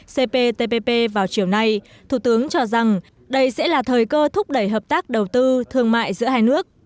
cptpp vào chiều nay thủ tướng cho rằng đây sẽ là thời cơ thúc đẩy hợp tác đầu tư thương mại giữa hai nước